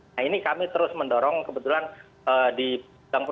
nah ini kami terus mendorong kebetulan di tgp